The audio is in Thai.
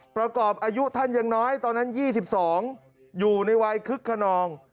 ประกอบอายุท่านยังน้อยตอนนั้น๒๒อยู่ในวัยคึกขนอง